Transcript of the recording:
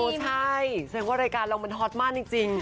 ใช่แสดงว่ารายการเรามันฮอตมากจริง